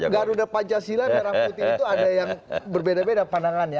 garuda pancasila merah putih itu ada yang berbeda beda pandangannya